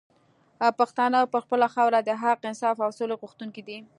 پښتانه پر خپله خاوره د حق، انصاف او سولي غوښتونکي دي